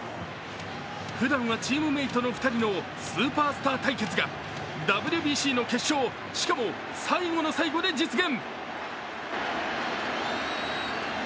ふだんはチームメイトの２人のスーパースター対決がＷＢＣの決勝、しかも最後の最後で実現。